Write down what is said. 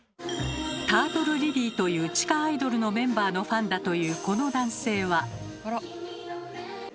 「タートルリリー」という地下アイドルのメンバーのファンだというこの男性は？